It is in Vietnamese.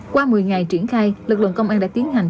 qua một mươi ngày triển khai lực lượng công an đã tiến hành